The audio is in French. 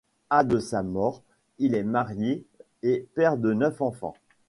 A de sa mort, il est marié et père de neuf enfants.